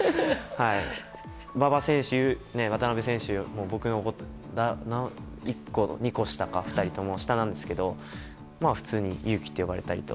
馬場選手、渡邊選手も僕の１個、２個下なんですけどまあ、普通に勇樹って呼ばれたりと。